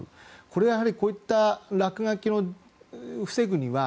これはこういった落書きを防ぐには